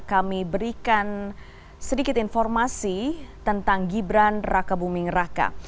kami berikan sedikit informasi tentang gibran raka buming raka